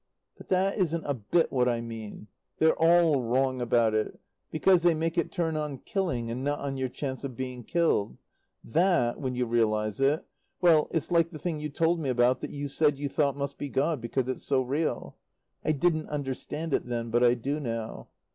But that isn't a bit what I mean. They're all wrong about it, because they make it turn on killing, and not on your chance of being killed. That when you realize it well, it's like the thing you told me about that you said you thought must be God because it's so real. I didn't understand it then, but I do now.